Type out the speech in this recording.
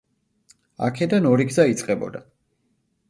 აქედან ორი გზა იწყებოდა.